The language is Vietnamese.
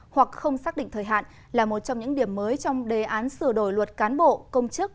hoặc không xác định thời hạn là một trong những điểm mới trong đề án sửa đổi luật cán bộ công chức